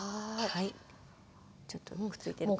ちょっとくっついてるかな。